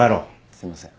すいません。